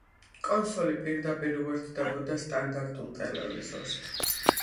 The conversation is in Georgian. კონსოლი პირდაპირ უერთდებოდა სტანდარტულ ტელევიზორს.